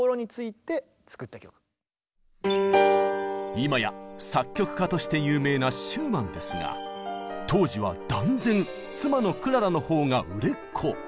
今や作曲家として有名なシューマンですが当時は断然妻のクララのほうが売れっ子。